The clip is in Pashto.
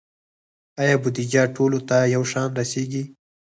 آیا بودیجه ټولو ته یو شان رسیږي؟